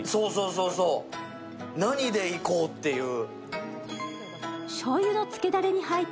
そうそう、何でいこうっていう。